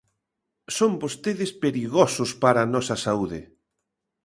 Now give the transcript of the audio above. Son vostedes perigosos para a nosa saúde.